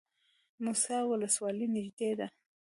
موسهي ولسوالۍ نږدې ده؟